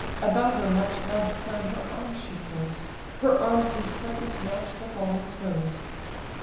About her much loved son her arms she throws, Her arms whose whiteness match the falling snows.